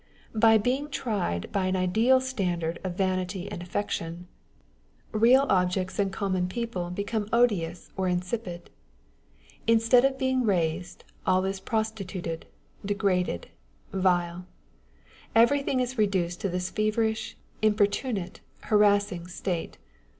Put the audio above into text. By being tried by an ideal standard of vanity and affectation, On the Old Age of Artists. 119 real objects and common people become odious or insipid. Instead of being raised, all is prostituted, degraded, vile. Everything is reduced to this feverish, importunate, harassing state.